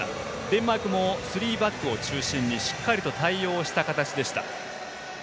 デンマークもスリーバックを中心にしっかりと対応した形でした。